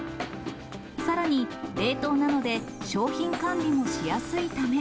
さらに、冷凍なので商品管理もしやすいため。